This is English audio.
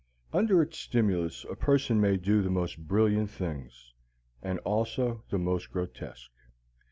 Under its stimulus a person may do the most brilliant things and also the most grotesque.